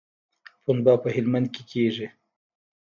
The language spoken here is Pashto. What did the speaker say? پنبه په هلمند کې کیږي